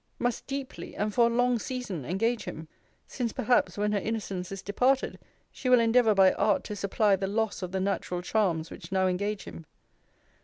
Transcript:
Must deeply and for a long season engage him: since perhaps when her innocence is departed, she will endeavour by art to supply the loss of the natural charms which now engage him.